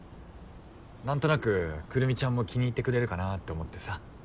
なんとなくくるみちゃんも気に入ってくれるかなって思ってさ。